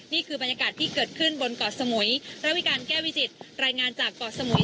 นี่คือบรรยากาศที่เกิดขึ้นบนเกาะสมุยระวิการแก้วิจิตรายงานจากเกาะสมุย